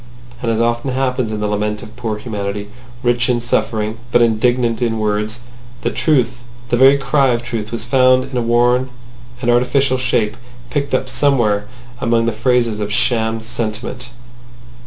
And, as often happens in the lament of poor humanity, rich in suffering but indigent in words, the truth—the very cry of truth—was found in a worn and artificial shape picked up somewhere among the phrases of sham sentiment.